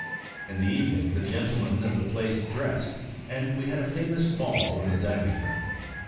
In the evening the gentlemen of the place dressed, and we had a famous ball in the dining room.